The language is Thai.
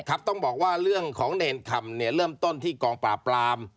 ต้องบอกว่าเรื่องของเนรคำเนี่ยเริ่มต้นที่กองปราบปราม